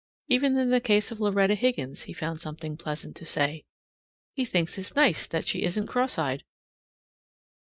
Even in the case of Loretta Higgins he found something pleasant to say. He thinks it nice that she isn't cross eyed.